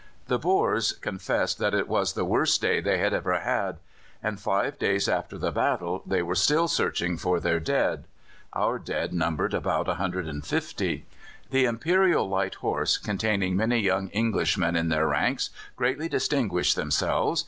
The Boers confessed that it was the worst day they had ever had, and five days after the battle they were still searching for their dead. Our dead numbered about 150. The Imperial Light Horse, containing many young Englishmen in their ranks, greatly distinguished themselves.